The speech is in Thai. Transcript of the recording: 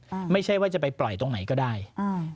ไม่ใช่ว่าจะไปปล่อยตรงไหนก็ได้อ่า